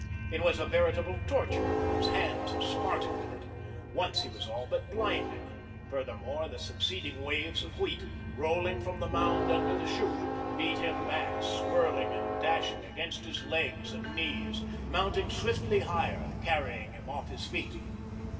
It was a veritable torture; his hands smarted with it. Once he was all but blinded. Furthermore, the succeeding waves of wheat, rolling from the mound under the chute, beat him back, swirling and dashing against his legs and knees, mounting swiftly higher, carrying him off his feet.